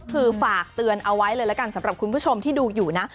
คือฝากเตือนเอาไว้เลยละกันสำหรับคุณผู้ชมที่ดูอยู่นะ